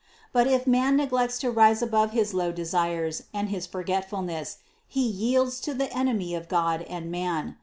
412. But if man neglects to rise above his low desires and his forgetfulness, he yields to the enemy of God and man.